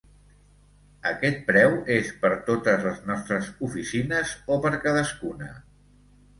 Aquest preu és per totes les nostres oficines, o per cadascuna?